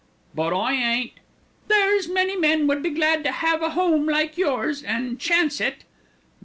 "But I ain't " "There's many men would be glad to have a home like yours, an' chance it."